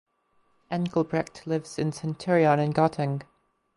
Engelbrecht lives in Centurion in Gauteng.